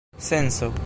senso